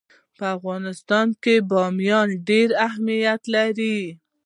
په افغانستان کې بامیان ډېر اهمیت لري.